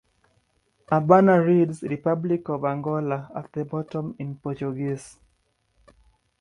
A banner reads "Republic of Angola" at the bottom, in Portuguese.